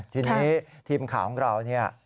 ทีนี้ทีมขาวของเรา